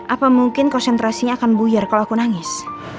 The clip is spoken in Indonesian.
apa mungkin konsentrasinya akan buyar kalau aku nangis